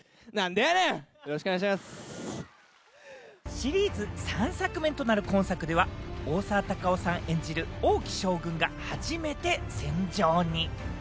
シリーズ３作目となる今作では、大沢たかおさん演じる王騎将軍が初めて戦場に。